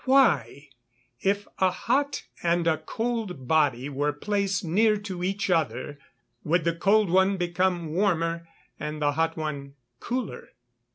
_Why, if a hot and a cold body were placed near to each other, would the cold one become warmer, and the hot one cooler?